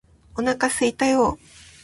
お腹すいたよ！！！！！